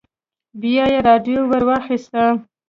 بيا يې راډيو ور واخيسته.